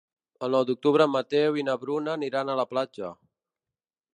El nou d'octubre en Mateu i na Bruna aniran a la platja.